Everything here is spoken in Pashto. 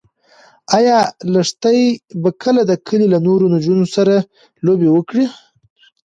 ایا لښتې به کله د کلي له نورو نجونو سره لوبې وکړي؟